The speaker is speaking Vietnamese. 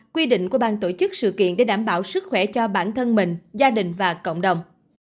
quy định của bang tổ chức sự kiện để đảm bảo sức khỏe cho bản thân mình gia đình và cộng đồng